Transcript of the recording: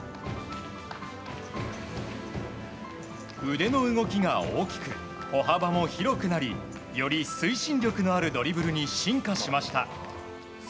腕の動きが大きく歩幅も広くなりより推進力のあるドリブルに進化しました。